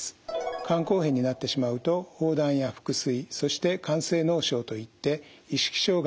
肝硬変になってしまうと黄疸や腹水そして肝性脳症といって意識障害が出てくることもあります。